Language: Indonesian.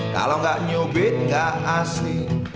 kalau nggak nyubit gak asli